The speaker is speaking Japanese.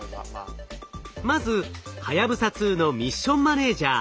まずはやぶさ２のミッションマネージャ